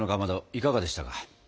いかがでしたか？